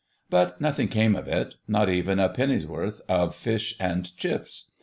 But nothing came of it—not even a penn'orth of fish and chips.